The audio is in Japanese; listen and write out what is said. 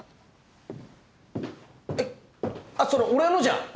えっあっそれ俺のじゃ？